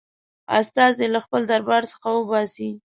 استازی له خپل دربار څخه وباسي.